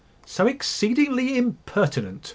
"So exceedingly impertinent!"